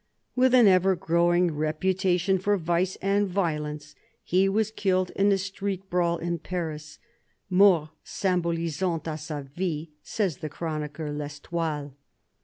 With an ever growing reputation for vice and violence, he was killed in a street brawl in Paris — "mort symbolisante a sa vie," says the chronicler I'Estoile.